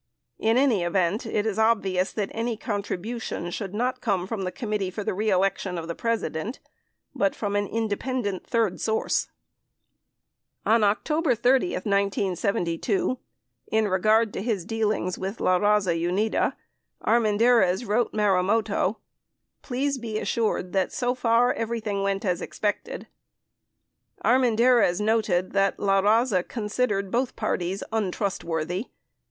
In any event, it is obvious that any contribution should not come from the Committee for the Re Election of the President, but from an independent third source. 38 On October 30, 1972, in regard to his dealings with La Raza Unida, Armendariz wrote Marumoto, "Please be assured that so far every thing went as expected." 39 Armendariz noted that La Raza con sidered both parties "untrustworthy."